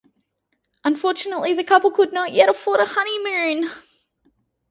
Unfortunately, the couple could not yet afford a honey-moon.